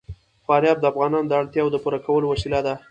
فاریاب د افغانانو د اړتیاوو د پوره کولو وسیله ده.